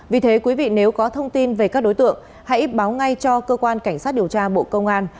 vì thế quý vị nếu có thông tin về các đối tượng hãy báo ngay cho cơ quan cảnh sát điều tra bộ công an